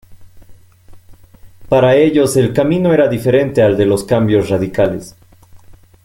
Para ellos el camino era diferente al de los cambios radicales.